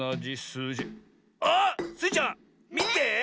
あっ！スイちゃんみて。